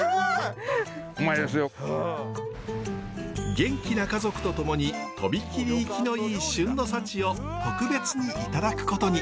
元気な家族と共に飛び切り生きのいい旬の幸を特別にいただくことに。